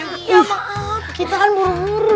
ya maaf kita kan buru buru